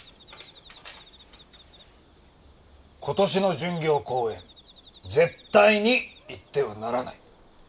今年の巡業公演絶対に行ってはならない。